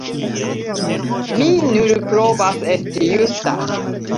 Mi nur provas esti justa!